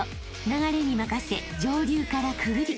流れに任せ上流からくぐり］